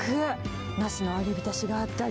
ナスの揚げびたしがあったり。